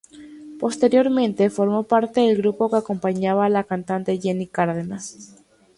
Posteriormente formó parte del grupo que acompañaba a la cantante Jenny Cárdenas.